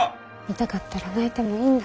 痛かったら泣いてもいいんだ。